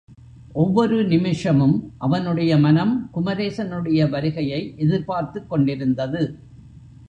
ஒவ்வொரு நிமிஷமும் அவனுடைய மனம் குமரேசனுடைய வருகையை எதிர்பார்த்துக் கொண்டிருந்தது.